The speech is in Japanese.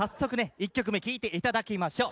１曲目聴いて頂きましょう。